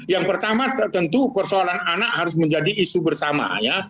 yang pertama tentu persoalan anak harus menjadi isu bersama ya